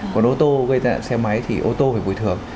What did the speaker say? còn ô tô gây tai nạn xe máy thì ô tô phải bồi thường